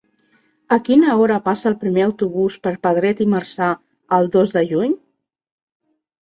A quina hora passa el primer autobús per Pedret i Marzà el dos de juny?